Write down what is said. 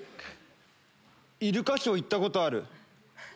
イルカショー行ったことある？